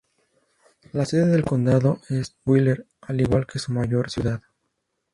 La sede del condado es Wheeler, al igual que su mayor ciudad.